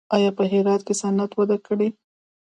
آیا په هرات کې صنعت وده کړې؟